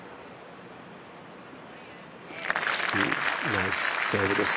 ナイスセーブです。